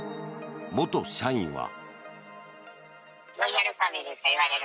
元社員は。